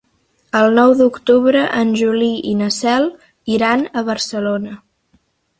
El nou d'octubre en Juli i na Cel iran a Barcelona.